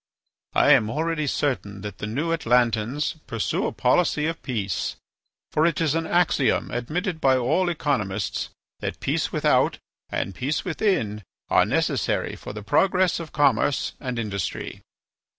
I am already certain that the New Atlantans pursue a policy of peace. For it is an axiom admitted by all economists that peace without and peace within are necessary for the progress of commerce and industry."